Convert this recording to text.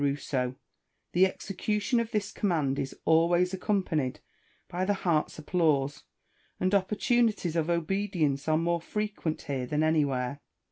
Rousseau, the execution of this command is always accompanied by the heart's applause, and opportunities of obedience are more frequent here than anywhere.